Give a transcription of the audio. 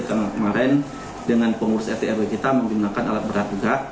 karena kemarin dengan pengurus rtrw kita membinakan alat berat juga